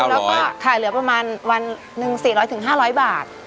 ๙๐๐แล้วก็ค่ะเหลือประมาณวันหนึ่ง๔๐๐ถึง๕๐๐บาท